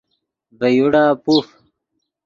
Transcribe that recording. ڤے یوڑا پوف